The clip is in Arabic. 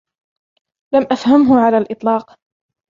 لم أفهمه على الإطلاق.